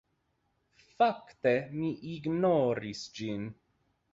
Fakte mi ignoris ĝin.